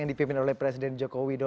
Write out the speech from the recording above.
yang dipimpin oleh presiden jokowi